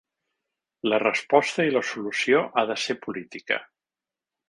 La resposta i la solució ha de ser política.